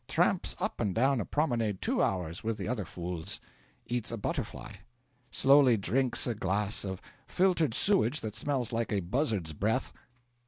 Tramps up and down a promenade two hours with the other fools. Eats a butterfly. Slowly drinks a glass of filtered sewage that smells like a buzzard's breath.